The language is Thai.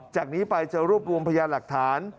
จากนี้ไปจะรวบรวมพยานหลักฐาน